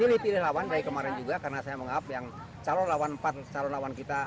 pilih pilih lawan dari kemarin juga karena saya menganggap yang calon lawan empat calon lawan kita